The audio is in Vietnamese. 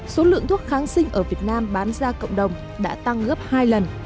số lượng thuốc kháng sinh ở việt nam bán ra cộng đồng đã tăng gấp hai lần